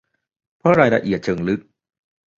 เพราะรายละเอียดเชิงลึก